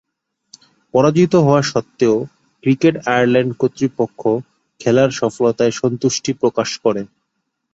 পরাজিত হওয়া স্বত্ত্বেও ক্রিকেট আয়ারল্যান্ড কর্তৃপক্ষ খেলার সফলতায় সন্তুষ্টি প্রকাশ করে।